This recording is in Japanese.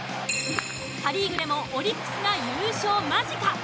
パ・リーグでもオリックスが優勝間近。